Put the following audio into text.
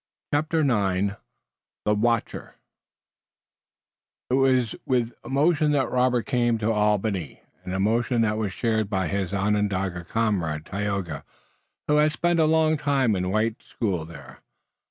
CHAPTER IX THE WATCHER It was with emotion that Robert came to Albany, an emotion that was shared by his Onondaga comrade, Tayoga, who had spent a long time in a white school there.